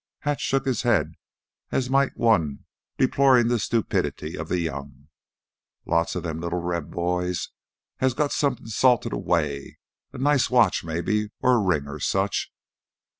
Hatch shook his head as might one deploring the stupidity of the young. "Lotsa them little Reb boys has got somethin' salted 'way, a nice watch maybe, or a ring or such.